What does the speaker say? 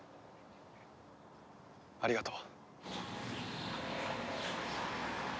ありがとう。